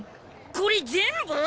これ全部！？